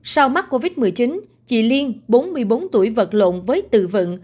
sau mắc covid một mươi chín chị liên bốn mươi bốn tuổi vật lộn với tự vận